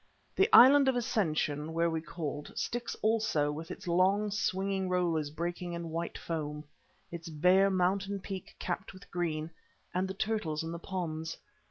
The Island of Ascension, where we called, sticks also with its long swinging rollers breaking in white foam, its bare mountain peak capped with green, and the turtles in the ponds.